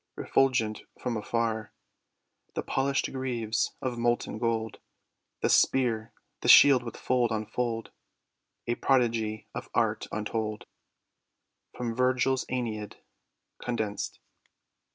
Refulgent from afar, The polished greaves of molten gold, The spear, the shield with fold on fold, A prodigy of art untold. From VIRGIL'S ^ENEID (Condensed.)